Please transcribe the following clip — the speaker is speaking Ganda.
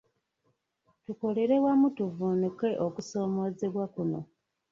Tukolere wamu tuvvuunuke okusoomoozebwa kuno.